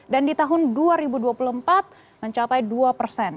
di tahun dua ribu dua puluh empat mencapai dua persen